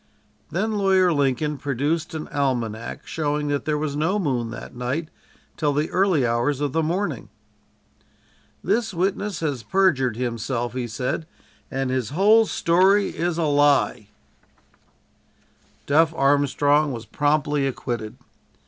Then Lawyer Lincoln produced an almanac showing that there was no moon that night till the early hours of the morning. "This witness has perjured himself," he said, "and his whole story is a lie." "Duff" Armstrong was promptly acquitted.